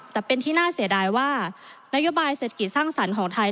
แต่เป็นที่น่าเสียดายว่านโยบายเศรษฐกิจสร้างสรรค์ของไทย